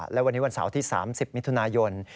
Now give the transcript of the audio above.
และวันนี้วันเสาร์ที่๓๐มิถุนายน